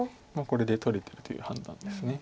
これで取れてるという判断です。